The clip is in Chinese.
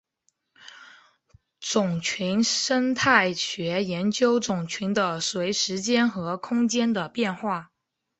种群生态学研究种群的随时间和空间的变化。